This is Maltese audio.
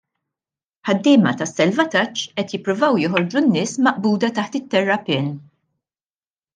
Ħaddiema tas-salvataġġ qed jippruvaw joħorġu n-nies maqbuda taħt it-terrapien.